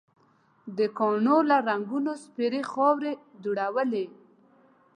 د کاڼو له رنګونو سپېرې خاورې دوړېدلې.